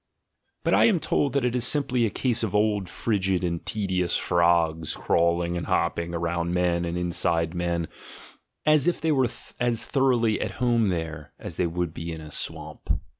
But I am told that it is simply a case of old frigid and tedious frogs crawling and hopping around men and inside men, as if they were as thoroughly at home there, as they would be in a swamp.